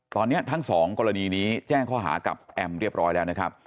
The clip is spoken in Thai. ตอนนี้ทั้งสองกรณีนี้แจ้งข้อหากับแอมเรียบร้อยแล้วนะครับ